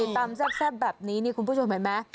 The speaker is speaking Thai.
ตำแซ่บแบบนี้นี่คุณผู้ชมเห็นไหม